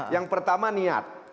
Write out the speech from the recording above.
yang pertama niat